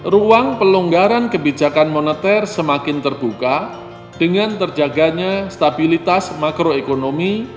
ruang pelonggaran kebijakan moneter semakin terbuka dengan terjaganya stabilitas makroekonomi